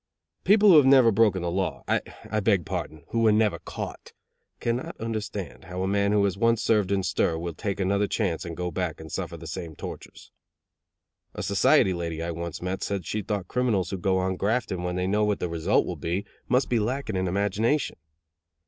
People who have never broken the law I beg pardon, who were never caught can not understand how a man who has once served in stir will take another chance and go back and suffer the same tortures. A society lady I once met said she thought criminals who go on grafting, when they know what the result will be, must be lacking in imagination.